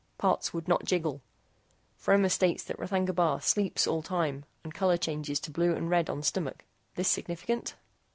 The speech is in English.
PARTS WOULD NOT JIGGLE. FROMER STATES THAT R'THAGNA BAR SLEEPS ALL TIME AND COLOR CHANGES TO BLUE AND RED ON STOMACH. THIS SIGNIFICANT?